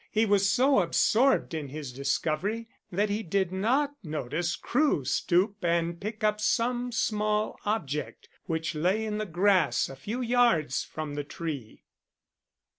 He was so absorbed in his discovery, that he did not notice Crewe stoop and pick up some small object which lay in the grass a few yards from the tree.